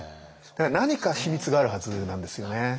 だから何か秘密があるはずなんですよね。